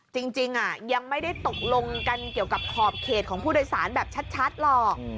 จริงยังไม่ได้ตกลงกันเกี่ยวกับขอบเขตของผู้โดยสารแบบชัดหรอก